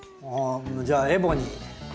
もうじゃあエボニー。